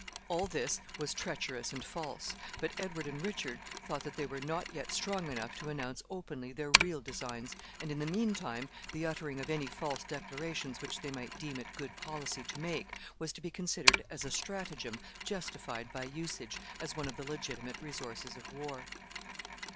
All this was treacherous and false; but Edward and Richard thought that they were not yet strong enough to announce openly their real designs, and, in the mean time, the uttering of any false declarations which they might deem it good policy to make was to be considered as a stratagem justified by usage, as one of the legitimate resources of war.